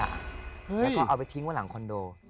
แล้วก็เอาไปทิ้งไว้หลังคอนโด